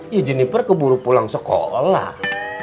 ya jenniper keburu pulang sekolah